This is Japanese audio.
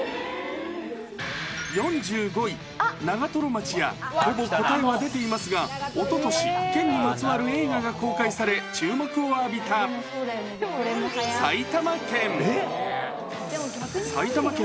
４５位、長瀞町やほぼ答えが出ていますが、おととし県にまつわる映画が公開され、注目を浴びた埼玉県。